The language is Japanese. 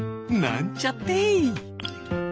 なんちゃって。